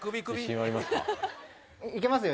いけますよ